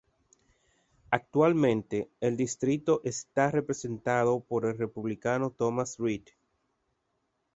Actualmente el distrito está representado por el Republicano Thomas Reed.